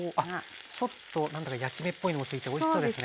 ちょっと何だか焼き目っぽいのもついておいしそうですね。